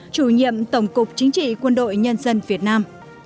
chủ nhiệm tổng cục chính trị quân đội nhân dân việt nam